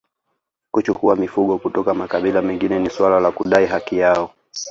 Kuchukua mifugo kutoka makabila mengine ni suala la kudai haki yao